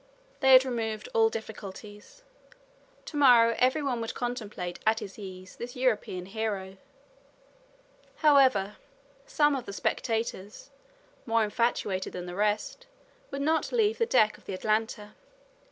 They had removed all difficulties. To morrow every one would contemplate at his ease this European hero. However, some of the spectators, more infatuated than the rest, would not leave the deck of the Atlanta.